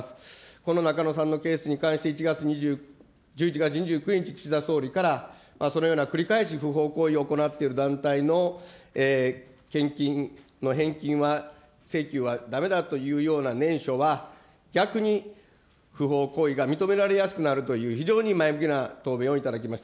この中野さんのケースに関して、１１月２９日、岸田総理からそのような繰り返し不法行為を行っている団体の献金の返金は、請求はだめだというような念書は、逆に不法行為が認められやすくなるという、非常に前向きな答弁をいただきました。